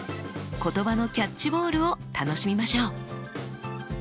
言葉のキャッチボールを楽しみましょう。